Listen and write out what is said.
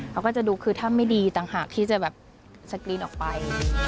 เขาก็จะดูคือถ้าไม่ดีต่างหากที่จะแบบสกรีนออกไป